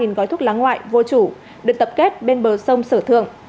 một gói thuốc lá ngoại vô chủ được tập kết bên bờ sông sở thượng